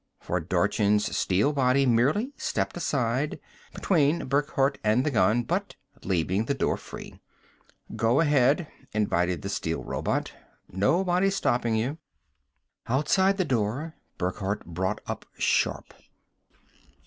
For Dorchin's steel body merely stepped aside, between Burckhardt and the gun, but leaving the door free. "Go ahead," invited the steel robot. "Nobody's stopping you." Outside the door, Burckhardt brought up sharp.